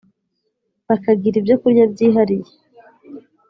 bakagira ibyokurya byihariye